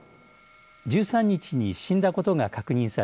１３日に死んだことが確認され